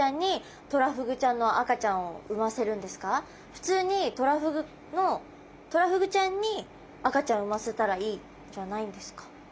普通にトラフグのトラフグちゃんに赤ちゃんを産ませたらいいじゃないんですか？